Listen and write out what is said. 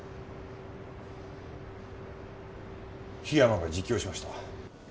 檜山が自供しました。